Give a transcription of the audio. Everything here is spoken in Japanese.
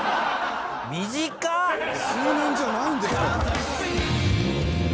数年じゃないんですか？